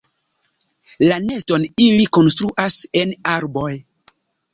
La neston ili konstruas en arboj.